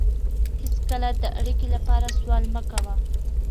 هېڅکله د اړیکې لپاره سوال مه کوه.